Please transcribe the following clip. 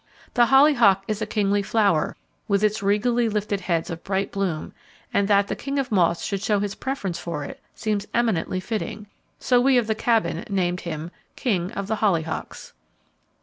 The holly hock is a kingly flower, with its regally lifted heads of bright bloom, and that the king of moths should show his preference for it seems eminently fitting, so we of the Cabin named him King of the Hollyhocks.